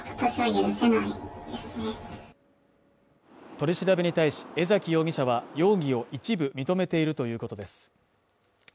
取り調べに対し江崎容疑者は容疑を一部認めているということです。